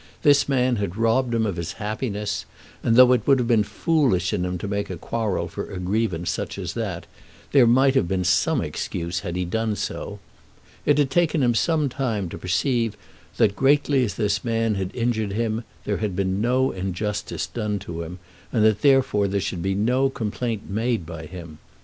This man had robbed him of his happiness; and, though it would have been foolish in him to make a quarrel for a grievance such as that, there might have been some excuse had he done so. It had taken him some time to perceive that greatly as this man had injured him, there had been no injustice done to him, and that therefore there should be no complaint made by him.